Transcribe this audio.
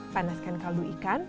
panaskan kaldu ikan